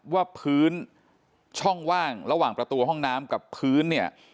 ว่าพื้นช่องว่างระหว่างประตูห้องน้ำกับพื้นเนี่ย